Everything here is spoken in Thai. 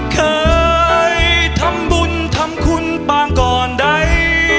เคยทำบุญทำคุณปางก่อนใด